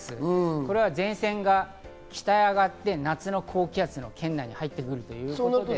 これは前線が北へ上がって夏の高気圧の圏内に入ってくるからです。